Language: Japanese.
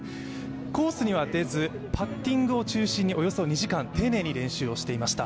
コースには出ず、パッティングを中心におよそ２時間、丁寧に練習をしていました。